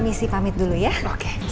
ibu ini juga nya punya tulisan